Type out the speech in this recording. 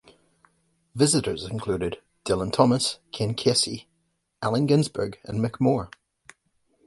Visitors included Dylan Thomas, Ken Kesey, Allen Ginsberg and Mik Moore.